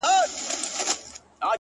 • فقیران لکه سېلونه د کارګانو ,